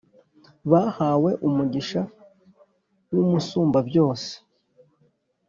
bahabwe umugisha w’Umusumbabyose.